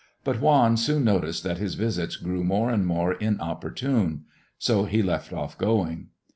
But Juan soon noticed that his visits grew more and more inopportune, so he left off going.